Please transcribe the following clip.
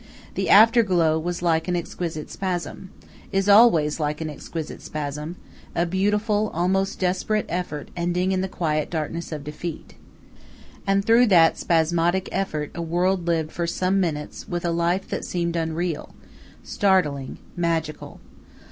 The afterglow was like an exquisite spasm, is always like an exquisite spasm, a beautiful, almost desperate effort ending in the quiet darkness of defeat. And through that spasmodic effort a world lived for some minutes with a life that seemed unreal, startling, magical.